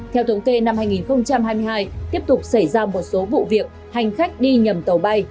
theo thống kê năm hai nghìn hai mươi hai tiếp tục xảy ra một số vụ việc hành khách đi nhầm tàu bay